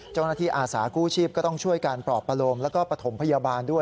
เจ้าหน้าที่อาสากู้ชีพก็ต้องช่วยกันประอบประโลมแล้วก็ปฐมพยาบาลด้วย